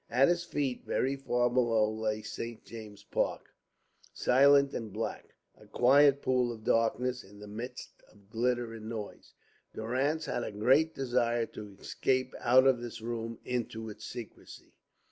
At his feet, very far below, lay St. James's Park, silent and black, a quiet pool of darkness in the midst of glitter and noise. Durrance had a great desire to escape out of this room into its secrecy.